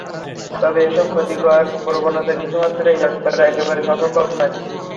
তবে এসব ক্ষতিকর প্রবণতা কিছু মাত্রায় হ্রাস করা একেবারে অসম্ভব নয়।